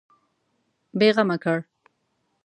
بېغمه کړ.